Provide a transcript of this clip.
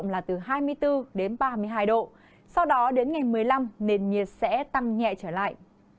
kỳ giao động là từ hai mươi bốn đến ba mươi hai độ sau đó đến ngày một mươi năm nền nhiệt sẽ tăng nhẹ trở lại